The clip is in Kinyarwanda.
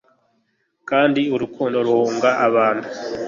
Kandi urukundo ruhunga abantu